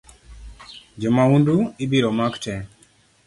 Jo maundu ibiro mak tee